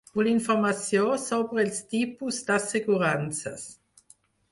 Vull informació sobre els tipus d'assegurances.